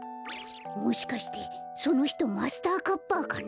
もしかしてそのひとマスターカッパーかな？